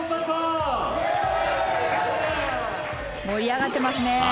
盛り上がってますね。